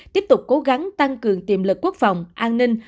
tiếp tục cố gắng tăng cường tiềm lực quốc phòng an ninh